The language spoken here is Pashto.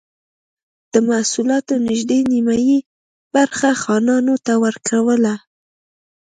د محصولاتو نږدې نییمه برخه خانانو ته ورکوله.